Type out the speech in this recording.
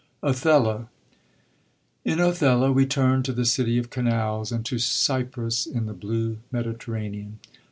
Othbllo.— In Othello we turn to the city of canals, and to Cyprus in the blue Mediterranean.